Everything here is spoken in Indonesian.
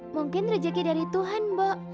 mungkin rejeki dari tuhan mbok